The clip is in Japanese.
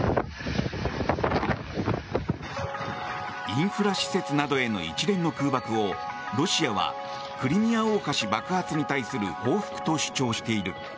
インフラ施設などへの一連の空爆をロシアはクリミア大橋爆発に対する報復と主張している。